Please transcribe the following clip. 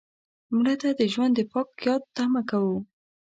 مړه ته د ژوند د پاک یاد تمه کوو